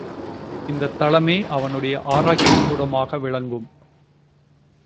இந்தத் தளமே அவனுடைய ஆராய்ச்சிக்கூடமாக விளங்கும்.